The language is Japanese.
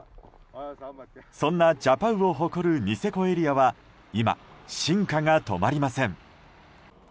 そんなジャパウを誇るニセコエリアは今、進化が止まりません。